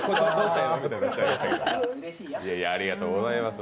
ありがとうございます。